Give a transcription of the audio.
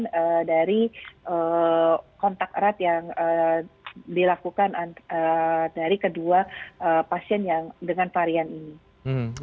kemudian dari kontak erat yang dilakukan dari kedua pasien yang dengan varian ini